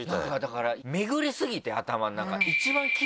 だから巡りすぎて頭の中。